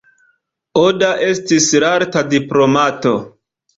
Oda estis lerta diplomato.